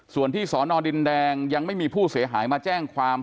ส่วนที่สอนอดินแดงยังไม่มีผู้เสียหายมาแจ้งความ